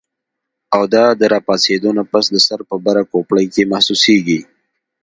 او دا د راپاسېدو نه پس د سر پۀ بره کوپړۍ کې محسوسيږي